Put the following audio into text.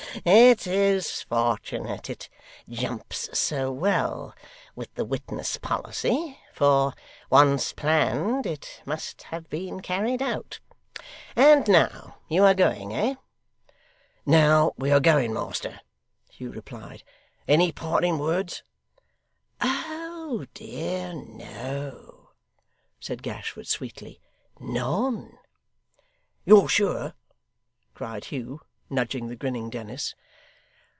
Ha ha ha! It is fortunate it jumps so well with the witness policy; for, once planned, it must have been carried out. And now you are going, eh?' 'Now we are going, master!' Hugh replied. 'Any parting words?' 'Oh dear, no,' said Gashford sweetly. 'None!' 'You're sure?' cried Hugh, nudging the grinning Dennis.